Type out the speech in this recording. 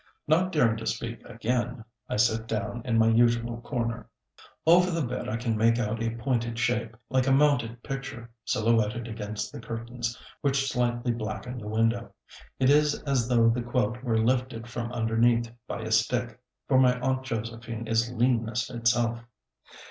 Not daring to speak again, I sit down in my usual corner. Over the bed I can make out a pointed shape, like a mounted picture, silhouetted against the curtains, which slightly blacken the window. It is as though the quilt were lifted from underneath by a stick, for my Aunt Josephine is leanness itself.